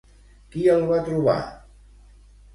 Qui el va trobar?